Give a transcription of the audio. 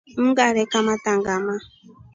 Ungare kamata ngama.